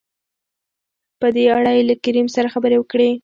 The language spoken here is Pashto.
په دې اړه يې له کريم سره خبرې وکړې.